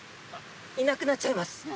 いなくなっちゃいます。